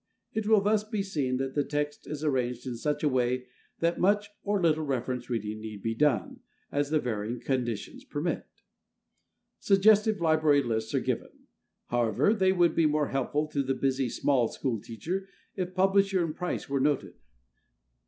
It will thus be seen that the text is arranged in such a way that much or little reference reading need be done, as the varying conditions permit. Suggestive library lists are given. However, they would be more helpful to the busy, "small school" teacher if publisher and price were noted.